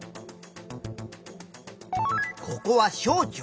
ここは小腸。